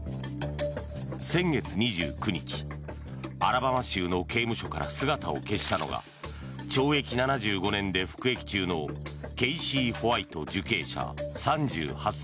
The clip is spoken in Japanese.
先月２９日アラバマ州の刑務所から姿を消したのが懲役７５年で服役中のケイシー・ホワイト受刑者３８歳。